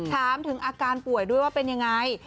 ถามถึงอาการป่วยด้วยว่าเป็นยังไง